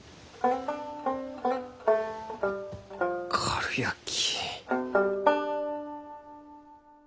かるやき。